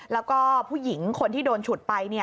แล้วก็ผู้หญิงคนที่โดนฉุดไป